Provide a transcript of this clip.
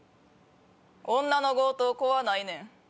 女の強盗怖ないねん。